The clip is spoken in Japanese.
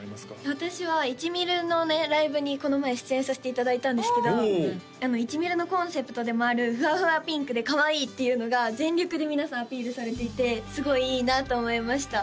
私はいちみるのライブにこの前出演させていただいたんですけどいちみるのコンセプトでもある「ふわふわピンクでかわいい」っていうのが全力で皆さんアピールされていてすごいいいなと思いました